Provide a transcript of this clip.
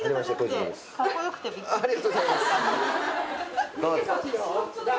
ありがとうございます。